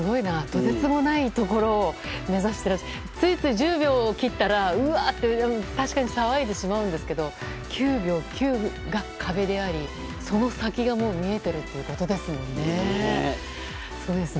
とてつもないところを目指してらしてついつい１０秒を切ったらうわー！って確かに騒いでしまうんですけど９秒９が壁でありその先がもう見えているっていうことですもんね。